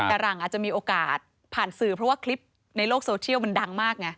แต่หลังอาจจะมีโอกาสผ่านสื่อเพราะว่าคลิปในโลกโซเชียลมันดังมากไง